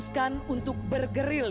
sayaltuahat dia bukan se metaphors babylon